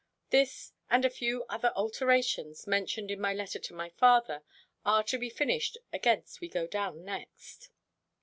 This and a few other alterations, mentioned in my letter to my father, are to be finished against we go down next.